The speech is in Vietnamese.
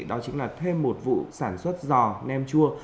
đó chính là thêm một vụ sản xuất giò nem chua